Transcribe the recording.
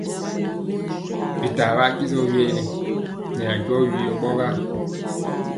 Bitaa ɓaa disɔ vyɛli nɛ ajɔ vyɔ ɓɔyaa.